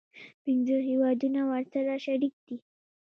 پنځه هیوادونه ورسره شریک دي.